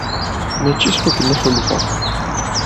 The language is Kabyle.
Mačči s wakken i ḥulfaɣ.